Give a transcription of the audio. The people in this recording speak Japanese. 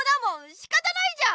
しかたないじゃん！